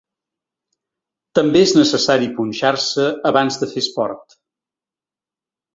També és necessari punxar-se abans de fer esport.